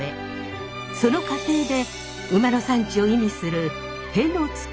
その過程で馬の産地を意味する「戸」の付く